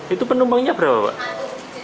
itu penumpangnya berapa pak